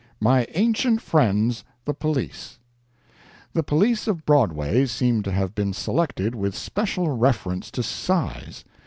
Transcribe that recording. MY ANCIENT FRIENDS, THE POLICE THE police of Broadway seem to have been selected with special reference to size.